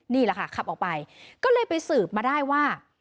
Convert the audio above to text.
นี่แหละค่ะขับออกไปก็เลยไปสืบมาได้ว่า